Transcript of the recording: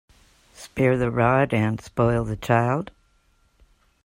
Spare the rod and spoil the child.